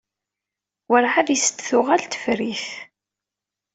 Ur ɛad i s-d-tuɣal tefrit.